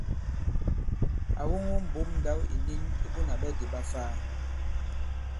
À woŋo mbǒm ndǎw ìnin i Bunà Ɓɛdì ɓa Ifaa.